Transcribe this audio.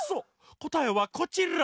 こたえはこちら。